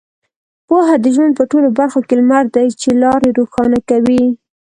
پوهه د ژوند په ټولو برخو کې لمر دی چې لارې روښانه کوي.